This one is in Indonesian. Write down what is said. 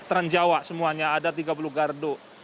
teranjawa semuanya ada tiga puluh gardu